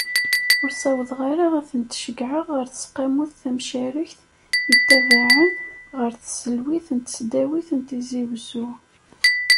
Ur ssawḍeɣ ara ad ten-ceyyɛeɣ ɣer tseqqamut tamcarekt, yettabaɛen ɣer tselwit n tesdawit n Tizi Uzzu.